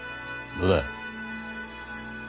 どうだ？